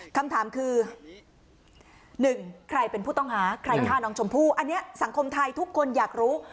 คำถามคือ๑ใครเป็นผู้ต้องหาใครฆ่าน้องชมพู่อันนี้สังคมไทยทุกคนอยากรู้